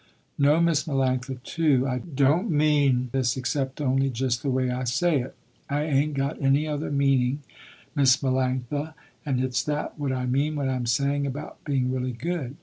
No, Miss Melanctha too, I don't mean this except only just the way I say it. I ain't got any other meaning Miss Melanctha, and it's that what I mean when I am saying about being really good.